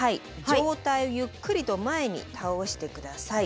状態をゆっくりと前に倒して下さい。